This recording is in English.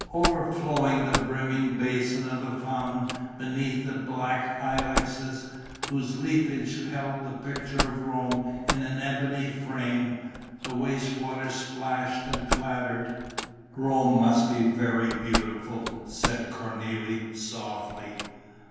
Overflowing the brimming basin of the fountain, beneath the black ilexes, whose leafage held the picture of Rome in an ebony frame, the waste water splashed and clattered. "Rome must be very beautiful," said Cornélie, softly.